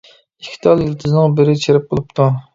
ئىككى تال يىلتىزنىڭ بىرى چىرىپ بولۇپتۇ.